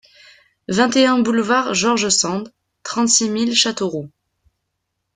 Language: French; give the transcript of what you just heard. vingt et un boulevard George Sand, trente-six mille Châteauroux